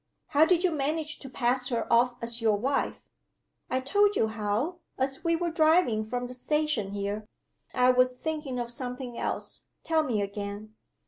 "How did you manage to pass her off as your wife?" "I told you how, as we were driving from the station here." "I was thinking of something else. Tell me again."